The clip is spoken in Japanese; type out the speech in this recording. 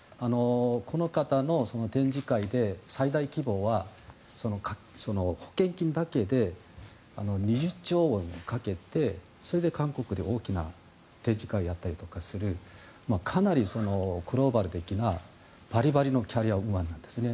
この方の展示会で最大規模は保険金だけで２０兆ウォンかけてそれで韓国で大きな展示会をやったりとかするかなりグローバル的なバリバリのキャリアウーマンですね。